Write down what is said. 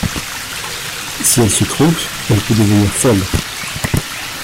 Si elle se trompe, elle peut devenir folle.